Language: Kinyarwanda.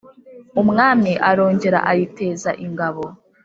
Umwami arongera ayiteza ingabo,